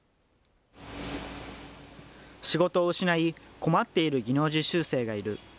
仕事を失い、困っている技能実習生がいる。